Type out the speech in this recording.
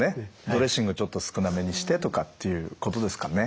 ドレッシングちょっと少なめにしてとかっていうことですかね。